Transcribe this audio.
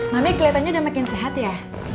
mami kelihatannya udah makin sehat ya